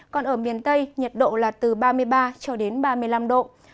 còn ở miền tây nhiệt độ là từ ba mươi ba ba mươi năm độ